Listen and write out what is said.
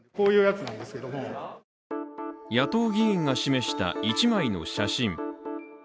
野党議員が示した１枚の写真。